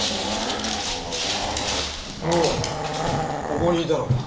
おうここにいたのか。